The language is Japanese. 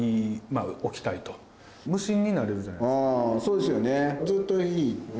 あぁそうですよね。